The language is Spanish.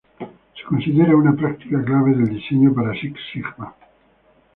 Se considera una práctica clave del diseño para Six Sigma.